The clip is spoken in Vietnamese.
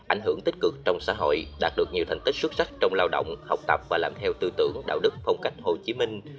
ảnh hưởng tích cực trong xã hội đạt được nhiều thành tích xuất sắc trong lao động học tập và làm theo tư tưởng đạo đức phong cách hồ chí minh